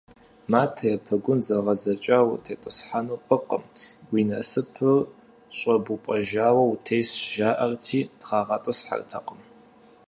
Матэ е пэгун зэгъэдзэкӀа утетӀысхьэну фӀыкъым, уи насыпыр щӀэпӀубэжауэ утесщ, жаӀэрти трагъэтӀысхьэртэкъым.